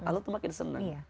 allah itu makin senang